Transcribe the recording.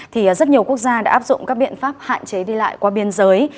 thì rất nhiều quốc gia đã áp dụng các biện pháp hạn chế đi lại qua biên giới